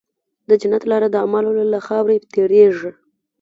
د جنت لاره د اعمالو له خاورې تېرېږي.